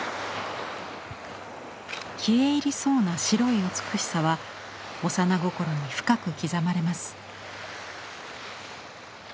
消え入りそうな白い美しさは幼心に深く刻まれます。